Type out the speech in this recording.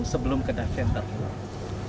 sebelumnya saya akan pergi ke raja ampat